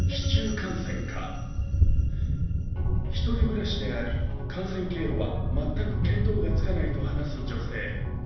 １人暮らしであり感染経路は全く見当がつかないと話す女性。